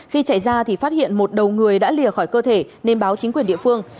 khi chạy ra thì phát hiện một đầu người đã lìa khỏi cơ thể nên báo chính quyền địa phương